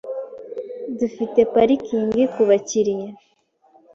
Dufite parikingi kubakiriya .